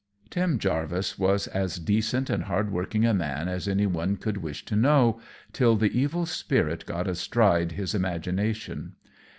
_ Tim Jarvis was as decent and hardworking a man as any one could wish to know, till the evil spirit got astride his imagination.